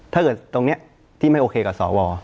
ถ้าเกิดตรงนี้ที่ไม่โอเคกับสอวอล